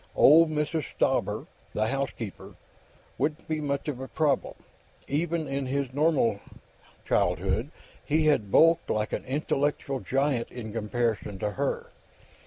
Old Mrs. Stauber, the housekeeper, wouldn't be much of a problem; even in his normal childhood, he had bulked like an intellectual giant in comparison to her.